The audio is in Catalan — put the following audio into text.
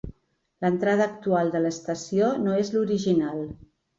L'entrada actual de l'estació no és l'original.